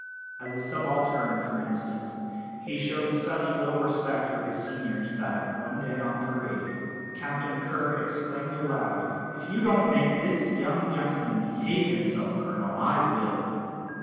As a subaltern, for instance, he showed such little respect for his seniors that, one day on parade, a Captain Kerr exclaimed aloud: "If you don't make this young gentleman behave himself, Colonel, I will."